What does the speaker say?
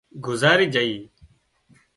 گذاري جھئي